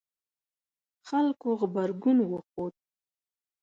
خلکو غبرګون وښود